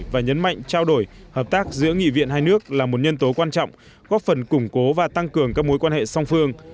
và nhấn mạnh trao đổi hợp tác giữa nghị viện hai nước là một nhân tố quan trọng góp phần củng cố và tăng cường các mối quan hệ song phương